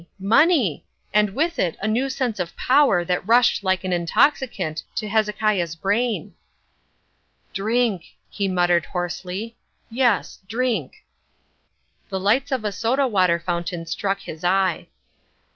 money! and with it a new sense of power that rushed like an intoxicant to Hezekiah's brain. "Drink," he muttered hoarsely, "yes, drink." The lights of a soda water fountain struck his eye.